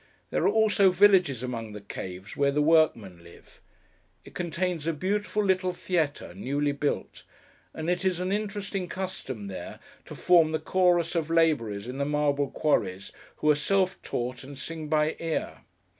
There are also villages among the caves, where the workmen live. It contains a beautiful little Theatre, newly built; and it is an interesting custom there, to form the chorus of labourers in the marble quarries, who are self taught and sing by ear.